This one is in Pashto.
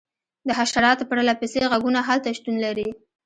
د حشراتو پرله پسې غږونه هلته شتون لري